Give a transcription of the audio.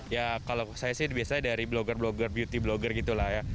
ya kalau saya sih biasanya dari blogger blogger beauty blogger gitu lah ya